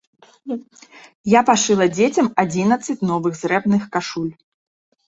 Я пашыла дзецям адзінаццаць новых зрэбных кашуль!